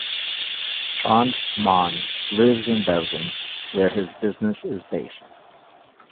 Trond Mohn lives in Bergen, where his business is based.